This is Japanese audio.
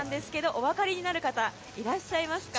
お分かりになる方いらっしゃいますか？